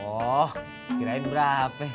oh kirain berapa